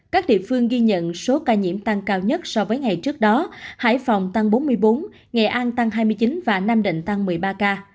các địa phương ghi nhận số ca nhiễm tăng cao nhất so với ngày trước đó hải phòng tăng bốn mươi bốn nghệ an tăng hai mươi chín và nam định tăng một mươi ba ca